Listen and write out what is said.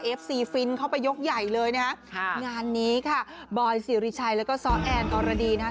ซีฟินเข้าไปยกใหญ่เลยนะฮะค่ะงานนี้ค่ะบอยสิริชัยแล้วก็ซ้อแอนอรดีนะฮะ